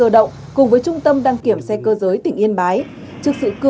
đồng thời kiểm định